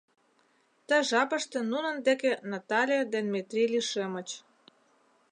Ты жапыште нунын деке Натале ден Метрий лишемыч.